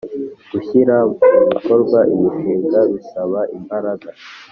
Gushyira mu bikorwa imishinga bisaba imbaraga.